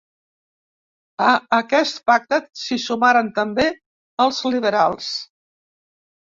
A aquest pacte s'hi sumaren també els liberals.